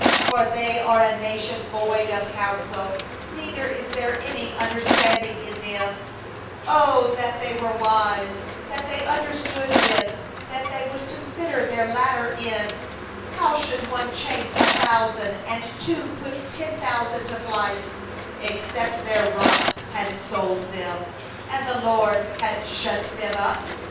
28For they are a nation void of counsel, And there is no understanding in them. 29If they were wise, they would understand this, They would discern their latter end. 30How should one chase a thousand, And two put ten thousand to flight, Except their Rock had given them over And the LORD had delivered them up?